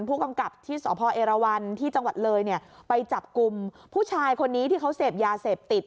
ผู้กำกับที่สพเอรวันที่จังหวัดเลยเนี่ยไปจับกลุ่มผู้ชายคนนี้ที่เขาเสพยาเสพติด